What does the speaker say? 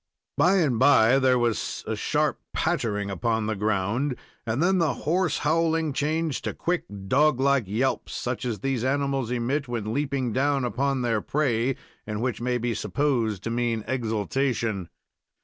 By and by there was a sharp pattering upon the ground, and then the hoarse howling changed to quick, dog like yelps, such as these animals emit when leaping down upon their prey, and which may be supposed to mean exultation.